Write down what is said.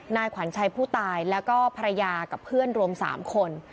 นายขวัญชัยผู้ตายแล้วก็ภรรยากับเพื่อนรวม๓คน